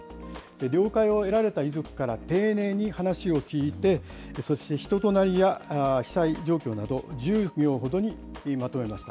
了解を得られた遺族から丁寧に話を聞いて、そして人となりや被災状況など１０行ほどにまとめました。